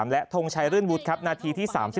และทงใช้รื่นวุฒิครับณที่๓๓